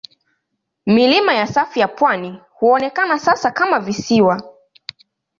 Milima ya safu ya pwani huonekana sasa kama visiwa.